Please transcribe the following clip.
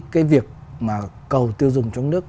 cái việc mà cầu tiêu dùng trong nước